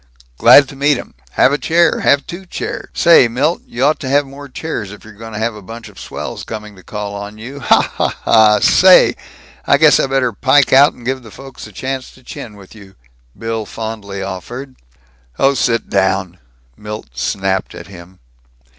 "Glad to meet 'em. Have a chair. Have two chairs! Say, Milt, y'ought to have more chairs if you're going to have a bunch of swells coming to call on you. Ha, ha, ha! Say, I guess I better pike out and give the folks a chance to chin with you," Bill fondly offered. "Oh, sit down," Milt snapped at him.